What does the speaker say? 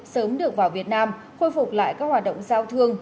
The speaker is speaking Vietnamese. sớm được vào việt nam khôi phục lại các hoạt động giao thương